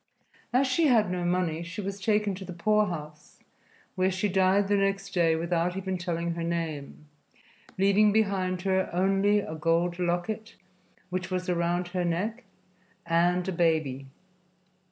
As she had no money, she was taken to the poorhouse, where she died the next day without even telling her name, leaving behind her only a gold locket, which was around her neck, and a baby.